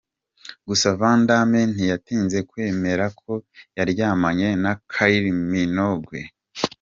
Gusa Van Damme ntiyatinze kwemera ko yaryamanye na Kyle Minogue.